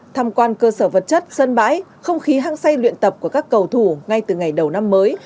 tham quan cơ sở vật chất sân bãi không khí hăng say luyện tập của các cầu thủ ngay từ ngày đầu năm mới